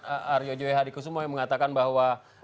aryojoe hadikusumo yang mengatakan bahwa